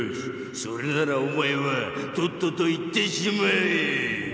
それならおまえはとっとといってしまえ！